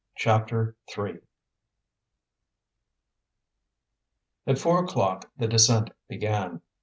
CHAPTER III At four o'clock the descent began.